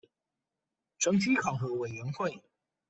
成績考核委員會